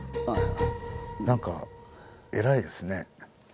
何か偉いですね。